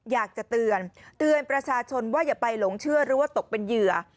อยากจะเตือนเตือนประชาชนว่าอย่าไปหลงเชื่อหรือว่าตกเป็นเหยื่อ